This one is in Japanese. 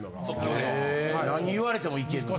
へぇ何言われてもいけるんや。